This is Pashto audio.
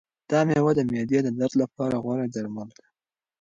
دا مېوه د معدې د درد لپاره غوره درمل دی.